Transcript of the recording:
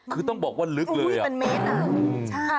คือต้องบอกว่าลึกเลยอ่ะอุ๊ยเป็นเมตรอ่ะใช่